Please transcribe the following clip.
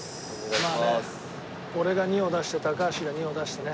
まあね俺が２を出して高橋が２を出してね。